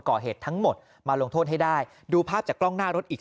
ก่อเหตุทั้งหมดมาลงโทษให้ได้ดูภาพจากกล้องหน้ารถอีก